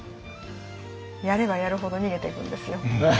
やればやるほど逃げていくんですよ